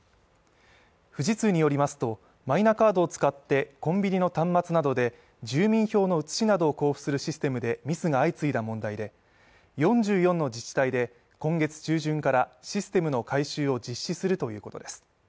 富士通によりますと、マイナカードを使ってコンビニの端末などで住民票の写しなどを交付するシステムでミスが相次いだ問題で４４の自治体で今月中旬からシステムの改修を実施するということです。